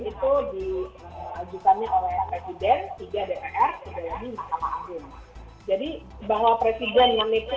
suatu acara menang atau tidak